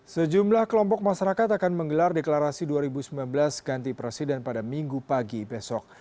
sejumlah kelompok masyarakat akan menggelar deklarasi dua ribu sembilan belas ganti presiden pada minggu pagi besok